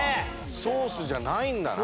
ソースじゃないんだな。